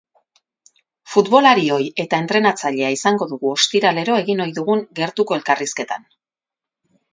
Futbolari ohi eta entrenatzailea izango dugu ostiralero egin ohi dugun gertuko elkarrizketan.